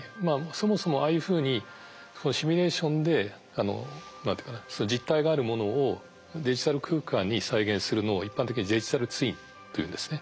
そもそもああいうふうにシミュレーションで何て言うかな実体があるものをデジタル空間に再現するのを一般的に「デジタルツイン」と言うんですね。